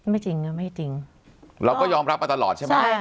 ไม่จริงนะไม่จริงเราก็ยอมรับมาตลอดใช่ไหม